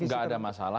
tidak ada masalah